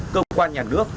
công quan nhà nước